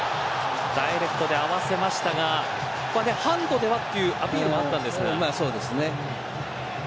ダイレクトで合わせましたがハンドではというアピールがありました。